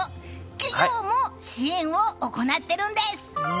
企業も支援を行ってるんです。